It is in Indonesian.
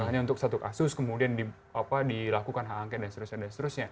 hanya untuk satu kasus kemudian dilakukan hak angket dan seterusnya